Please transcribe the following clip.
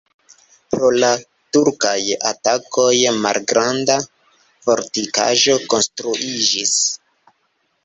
Pro la turkaj atakoj malgranda fortikaĵo konstruiĝis.